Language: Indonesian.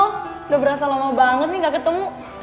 udah berasa lama banget nih ga ketemu